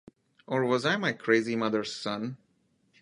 Or was I my crazy mother's son?